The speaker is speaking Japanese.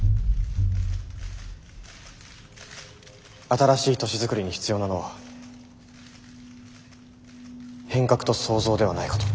新しい都市づくりに必要なのは変革と創造ではないかと。